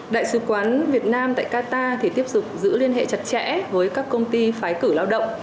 đại sứ quán việt nam tại qatar thì tiếp tục giữ liên hệ chặt chẽ với các công ty phái cử lao động